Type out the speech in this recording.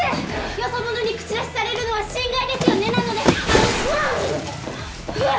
よそ者に口出しされるのは心外ですよねなのであのブー！